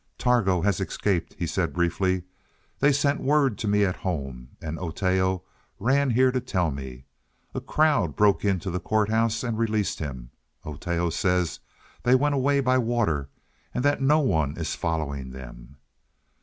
"Targo has escaped," he said briefly. "They sent word to me at home, and Oteo ran here to tell me. A crowd broke into the court house and released him. Oteo says they went away by water, and that no one is following them."